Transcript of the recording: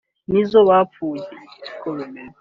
ni zo bapfuye